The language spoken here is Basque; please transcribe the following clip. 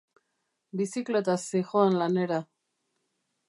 Bizikletaz zihoan lanera.